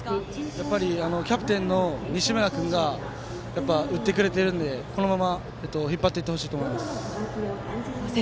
やっぱりキャプテンの西村君が打ってくれているのでこのまま引っ張っていってほしいと思います。